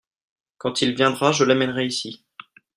Quand il viendra je l'amènerai ici.